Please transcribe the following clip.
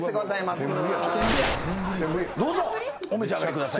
お召し上がりください。